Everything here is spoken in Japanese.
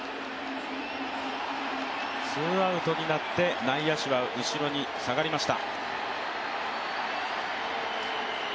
ツーアウトになって、内野手は後ろに下がりました。